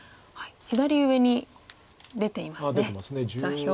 左上に出ていますね座標で。